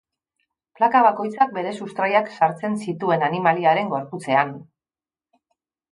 Plaka bakoitzak bere sustraiak sartzen zituen animaliaren gorputzean.